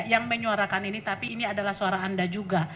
yang menyuarakan ini tapi ini adalah suara anda juga